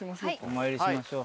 お参りしましょう。